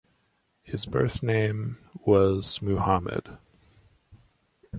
His birth name was Muhammad.